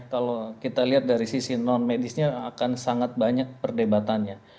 kalau kita lihat dari sisi non medisnya akan sangat banyak perdebatannya